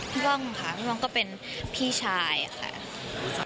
พี่ป้องค่ะหนุ่มป้องก็เป็นพี่ชายค่ะ